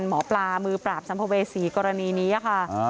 หมอปลามือปราบสัมภเวษีกรณีนี้ค่ะ